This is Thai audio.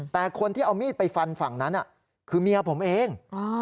แต่คนที่เอามีดไปฟันฝั่งนั้นคือเมียผมเอง